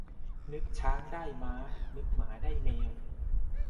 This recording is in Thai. นึกช้างได้ม้า นึกหมาได้แมว